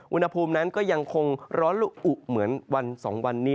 อุณหภูมินั้นก็ยังคงร้อนละอุเหมือนวัน๒วันนี้